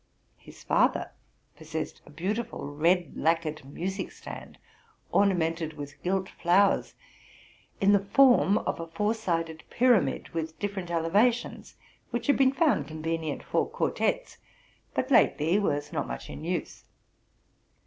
His father possessed a beautiful red lacquered music stand, ornamented with gilt flowers, in the form of a four sided pyramid, with different elevations, which had been found convenient for quartets, but lately was not much in use.